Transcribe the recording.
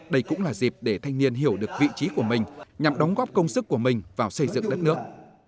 đây cũng là dịp để thanh niên hiểu được vị trí của mình nhằm đóng góp công sức của mình vào xây dựng đất nước